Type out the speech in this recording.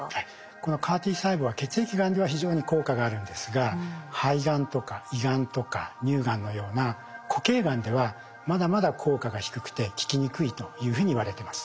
このＣＡＲ−Ｔ細胞は血液がんでは非常に効果があるんですが肺がんとか胃がんとか乳がんのような固形がんではまだまだ効果が低くて効きにくいというふうにいわれてます。